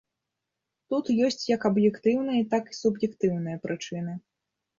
Тут ёсць як аб'ектыўныя, так і суб'ектыўныя прычыны.